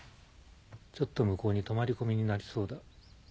ちょっと向こうに泊まり込みになりそうだ。